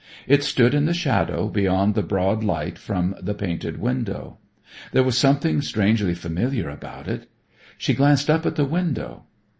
It stood in the shadow beyond the broad light from the painted window. There was something strangely familiar about it. She glanced up at that window.